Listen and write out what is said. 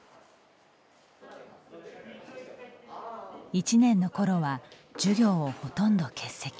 １年のころは授業をほとんど欠席。